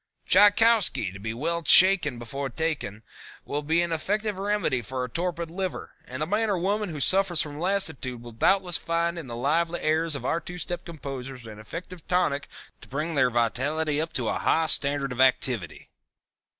Tchaikowski, to be well Tshaken before taken, will be an effective remedy for a torpid liver, and the man or woman who suffers from lassitude will doubtless find in the lively airs of our two step composers an efficient tonic to bring their vitality up to a high standard of activity.